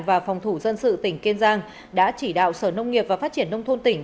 và phòng thủ dân sự tỉnh kiên giang đã chỉ đạo sở nông nghiệp và phát triển nông thôn tỉnh